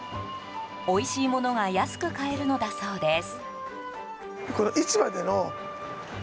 おいしいものが安く買えるのだそうです。